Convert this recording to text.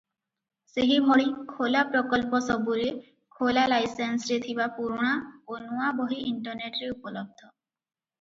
ସେହିଭଳି ଖୋଲା ପ୍ରକଳ୍ପସବୁରେ ଖୋଲା-ଲାଇସେନ୍ସରେ ଥିବା ପୁରୁଣା ଓ ନୂଆ ବହି ଇଣ୍ଟରନେଟରେ ଉପଲବ୍ଧ ।